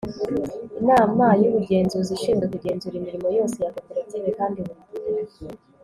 inama y'ubugenzuzi ishinzwe kugenzura imirimo yose ya koperative kandi buri gihe